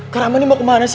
kak rama ini mau kemana sih